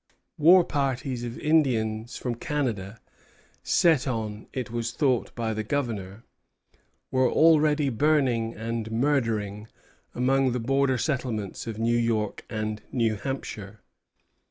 War parties of Indians from Canada, set on, it was thought, by the Governor, were already burning and murdering among the border settlements of New York and New Hampshire.